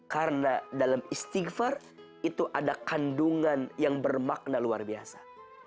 karena dalam istighfar itu ada kandungan yang bermakna luar biasa